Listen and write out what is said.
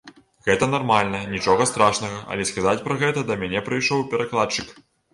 Гэта нармальна, нічога страшнага, але сказаць пра гэта да мяне прыйшоў перакладчык.